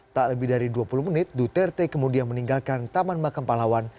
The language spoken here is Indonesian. tak lebih dari dua puluh menit duterte kemudian meninggalkan taman makam pahlawan